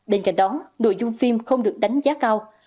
bên cạnh đó nội dung phim không được đánh giá cao